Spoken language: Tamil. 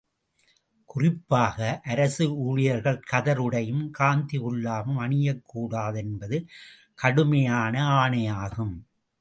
குறிப்பாக, அரசு ஊழியர்கள் கதர் உடையும் காந்தி குல்லாவும் அணியக்கூடாது என்பது கடுமையான ஆணையாகும்.